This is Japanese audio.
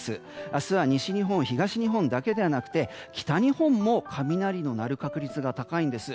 明日は西日本、東日本だけではなくて北日本も雷の鳴る確率が高いんです。